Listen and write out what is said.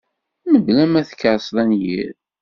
Mebla ma tkerseḍ anyir